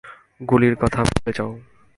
গুলির কথা ভুলে যাও।